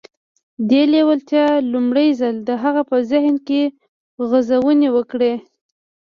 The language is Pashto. دې لېوالتیا لومړی ځل د هغه په ذهن کې غځونې وکړې.